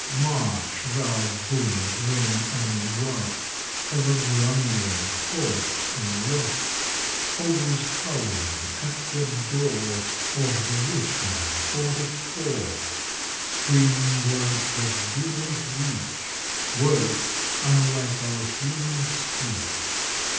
March, thou bully grim and gruff, Ever grumbling, hoarse, and rough! Always howling at the door Of the rich man or the poor; Screaming words that do not reach— Words unlike our human speech.